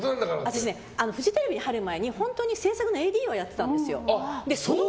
私、フジテレビに入る前に本当に制作のＡＤをやってたんですよ。